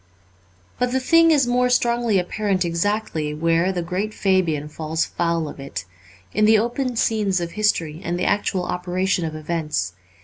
But the thing is more strongly apparent exactly where the great Fabian falls foul of it — in the open scenes of history and the actual operation of events.